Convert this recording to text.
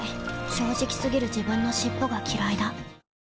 正直過ぎる自分の尻尾がきらいだ